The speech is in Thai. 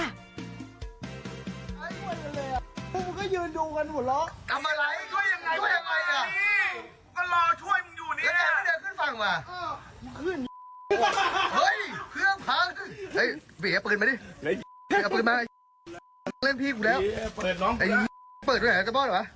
ไอ้เปิดด้วยเหรอกระบ้อนหรอ